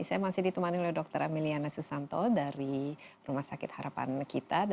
saya masih ditemani oleh dr ameliana susanto dari rumah sakit harapan kita